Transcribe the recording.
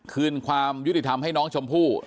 คืนความยุติธรรมให้น้องชมพู่